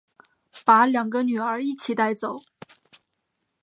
把两个女儿一起带走